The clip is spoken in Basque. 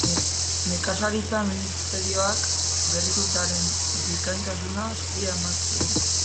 Nekazaritza Ministerioak Berrikuntzaren bikaintasuna saria eman zigun.